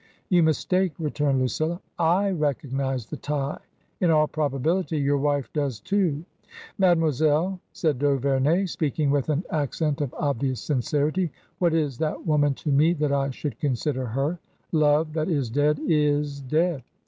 " You mistake," returned Lucilla. "/ recognise the tie. In all probability, your wife does too." " Mademoiselle," said d'Auvemey, speaking with an accent of obvious sincerity, " what is that woman to me that I should consider her ? Love that is dead is dead.